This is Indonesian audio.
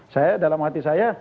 saya dalam hati saya